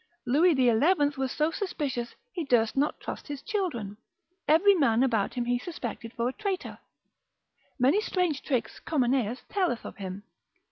Louis the Eleventh was so suspicious, he durst not trust his children, every man about him he suspected for a traitor; many strange tricks Comineus telleth of him.